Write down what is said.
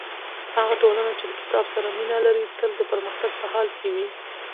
هغه ټولنه چې کتاب سره مینه لري تل د پرمختګ په حال کې وي.